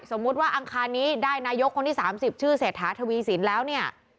สมมุติว่าอังคารนี้ได้นายกคนที่๓๐ชื่อเศรษฐาทวีสินแล้วเนี่ย